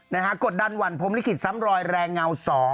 กดดันหวั่นพรมลิขิตซ้ำรอยแรงเงา๒